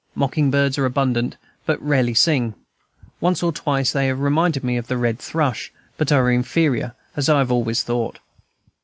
Mocking birds are abundant, but rarely sing; once or twice they have reminded me of the red thrush, but are inferior, as I have always thought.